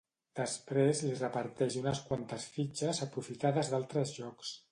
Després li reparteix unes quantes fitxes aprofitades d'altres jocs.